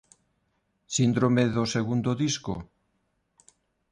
¿Síndrome do segundo disco?